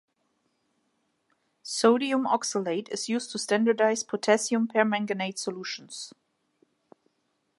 Sodium oxalate is used to standardize potassium permanganate solutions.